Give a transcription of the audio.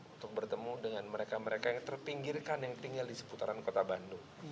untuk bertemu dengan mereka mereka yang terpinggirkan yang tinggal di seputaran kota bandung